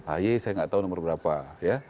ayy saya nggak tahu nomor berapa